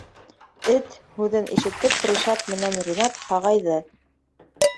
«Эт» һүҙен ишетеп Ришат менән Ринат һағайҙы: